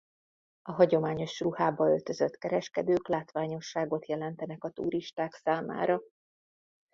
A hagyományos ruhába öltözött kereskedők látványosságot jelentenek a turisták számára.